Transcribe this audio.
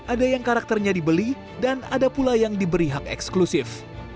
ada yang karakternya dibeli dan ada pula yang diberi hak eksklusif